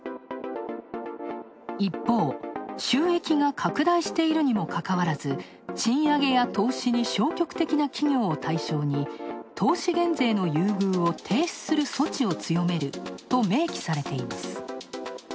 一方、収益が拡大しているにもかかわらず賃上げや投資に消極的な企業を対象に投資減税の優遇を停止する措置を強めると明記されています。